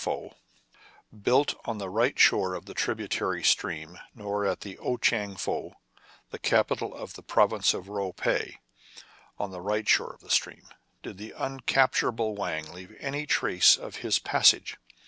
'* KIN FO STARTS ON AN ADVENTURE, 1 23 built on the right shore of the tributary stream — nor at Ou Tchang Fou, the capital of the prov ince of Rou Pe, on the right shore of the stream, did the uncapturable Wang leave any trace of his passage.